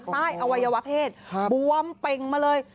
ใต้อวัยวเพศบวมเต็มมาเลย